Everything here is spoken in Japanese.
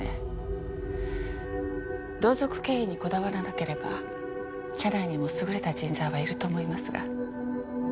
同族経営にこだわらなければ社内にも優れた人材はいると思いますが。